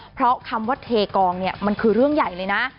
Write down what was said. เพราะคำว่าเทกองเนี่ยมันคือเรื่องใหญ่เลยนะ